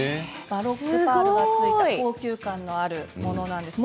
バロックパールがついた高級感のあるものなんです。